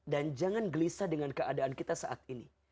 dan jangan gelisah dengan keadaan kita saat ini